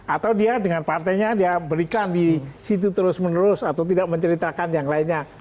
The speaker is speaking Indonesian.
atau dia dengan partainya dia berikan di situ terus menerus atau tidak menceritakan yang lainnya